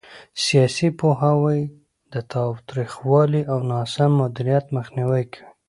سیاسي پوهاوی د تاوتریخوالي او ناسم مدیریت مخنیوي کوي